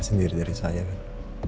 sendiri dari saya kan